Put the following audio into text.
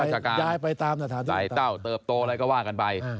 ใจเต้าเติบโตอะไรก็ว่ากันไป